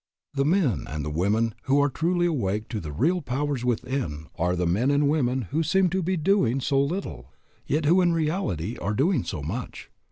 The men and the women who are truly awake to the real powers within are the men and women who seem to be doing so little, yet who in reality are doing so much.